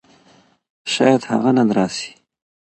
شايد هغه نن راشي.